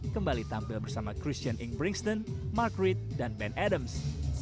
kembali tampil bersama christian inggris mark reed dan ben adams